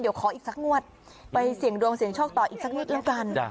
เดี๋ยวขออีกสักงวดไปเสี่ยงดวงเสียงโชคต่ออีกสักนิดแล้วกัน